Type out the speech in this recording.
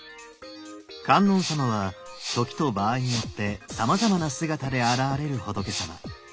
観音様は時と場合によってさまざまな姿で現れる仏さま。